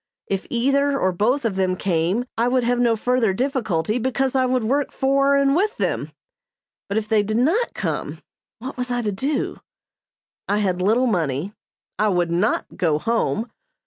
If either or both of them came I would have no further difficulty because I would work for and with them, but if they did not come what was I to do? I had little money. I would not go home.